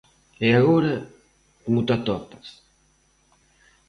E agora, como te atopas?